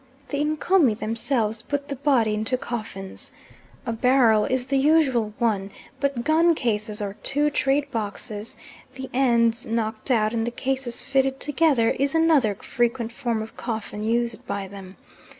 The Ncomi themselves put the body into coffins. A barrel is the usual one, but gun cases or two trade boxes, the ends knocked out and the cases fitted together, is another frequent form of coffin used by them.